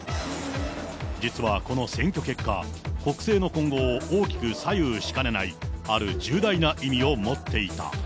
実はこの選挙結果、国政の今後を大きく左右しかねない、ある重大な意味を持っていた。